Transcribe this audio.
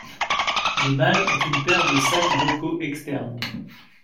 Les mâles ont une paire de sacs vocaux externes.